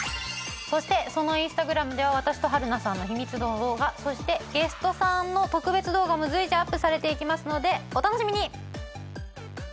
そしてそのインスタグラムでは私と春菜さんの秘密の動画そしてゲストさんの特別動画も随時アップされていきますのでお楽しみに！